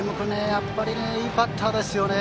やっぱりいいバッターですね。